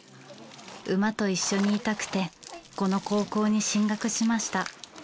馬と一緒にいたくてこの高校に進学しました。